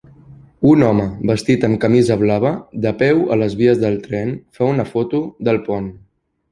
Un home vestit amb camisa blava, de peu a les vies del tren fa una foto del pont.